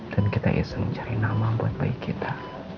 dan kita iseng cari nama buat baik kita